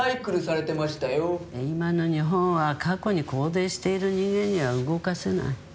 今の日本は過去に拘泥している人間には動かせない。